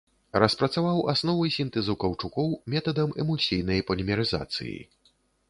Распрацаваў асновы сінтэзу каўчукоў метадам эмульсійнай полімерызацыі.